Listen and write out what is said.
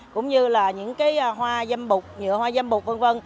cũng như là những cái hoa dâm bụt nhựa hoa dâm bụt v v